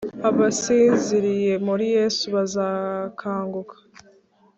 Abasinziriye muri Yesu bazakanguka,